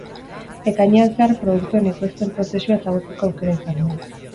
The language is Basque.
Ekainean zehar produktuen ekoizpen prozesua ezagutzeko aukera izango da.